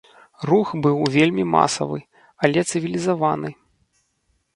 Рух быў вельмі масавы, але цывілізаваны.